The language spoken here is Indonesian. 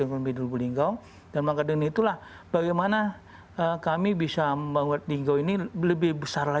ekonomi di wulinggo dan maka dengan itulah bagaimana kami bisa membuat wulinggo ini lebih